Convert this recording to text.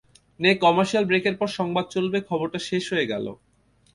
নে কমার্শিয়াল ব্রেকের পর সংবাদ চলবে খবরটা শেষ হয়ে গেল।